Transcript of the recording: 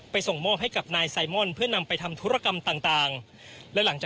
ไปส่งมอบให้กับนายไซมอนเพื่อนำไปทำธุรกรรมต่าง